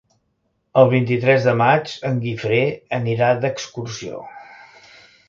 El vint-i-tres de maig en Guifré anirà d'excursió.